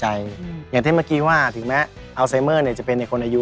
หรือถ้าร่างกายเราอ่อนแอสมองก็อ่อนแอไปด้วย